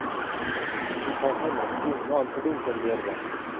มีทองเท่าหนวดกุ้ง นอนสะดุ้งจนเรือนไหว